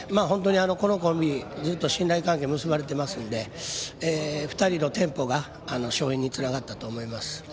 本当にこのコンビずっと信頼関係結ばれてますので２人のテンポが勝因につながったと思います。